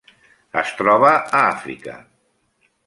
Es troba a Àfrica: